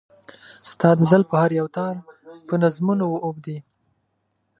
ستا د زلفو هر يو تار په نظمونو و اوبدي .